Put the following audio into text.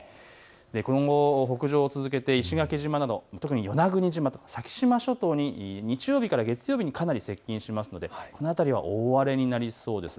今後、北上を続けて石垣島など先島諸島に日曜日から月曜日にかけて、かなり接近しますのでこの辺りは大荒れになりそうです。